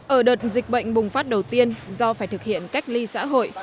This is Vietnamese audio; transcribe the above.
ở đợt dịch bệnh bùng phát đầu tiên do phải thực hiện cách ly xã hội